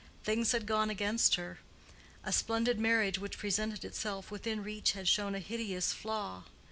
Things had gone against her. A splendid marriage which presented itself within reach had shown a hideous flaw.